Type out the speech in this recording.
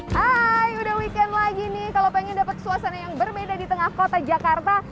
hai udah weekend lagi nih kalau pengen dapat suasana yang berbeda di tengah kota jakarta